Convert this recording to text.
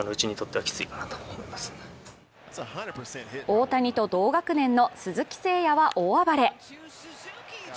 大谷と同学年の鈴木誠也は大暴れ。